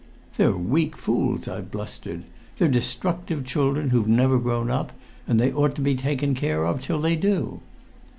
"They're weak fools," I blustered. "They're destructive children who've never grown up, and they ought to be taken care of till they do."